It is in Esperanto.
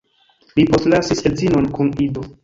Li postlasis edzinon kun ido.